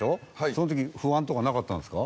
その時不安とかなかったんですか？